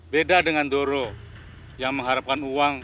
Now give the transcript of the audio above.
beda dengan doro yang mengharapkan uang